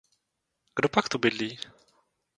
Kdopak tu bydlí?